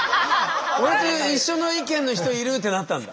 俺と一緒の意見の人いるってなったんだ。